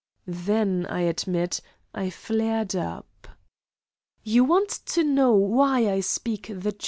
Then, I admit, I flared up: "You want to know why I speak the truth?